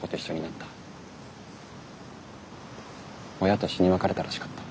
親と死に別れたらしかった。